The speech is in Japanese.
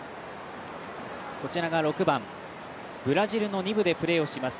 こちらが６番、ブラジルの２部でプレーをします